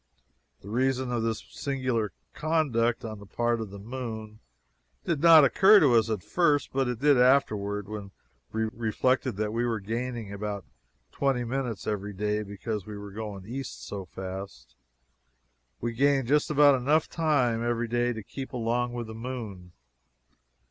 The reason of this singular conduct on the part of the moon did not occur to us at first, but it did afterward when we reflected that we were gaining about twenty minutes every day because we were going east so fast we gained just about enough every day to keep along with the moon.